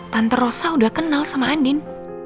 tante rosa udah kenal sama andin